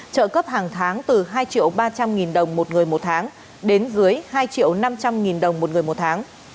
trợ cấp hàng tháng từ hai ba trăm linh đồng một người một tháng đến dưới hai năm trăm linh đồng một người một tháng